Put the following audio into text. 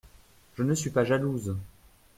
Je ne suis pas jalouse.